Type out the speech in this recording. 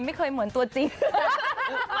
ไม่เคยเหมือนตัวจริง